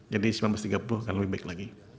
jadi sembilan belas tiga puluh akan lebih baik lagi